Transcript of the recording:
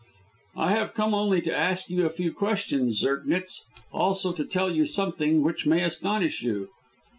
"I have come only to ask you a few questions, Zirknitz; also to tell you something which may astonish you."